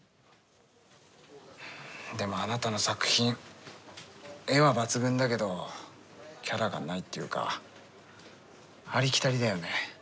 でも、あなたの作品絵は抜群だけどキャラがないっていうかありきたりだよね。